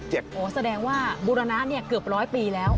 โอ้โหแสดงว่าบูรณะเนี่ยเกือบร้อยปีแล้ว